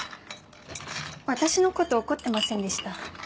私のこと怒ってませんでした？